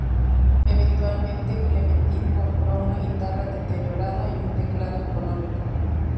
Eventualmente, Clementine compró una guitarra deteriorada y un teclado económico.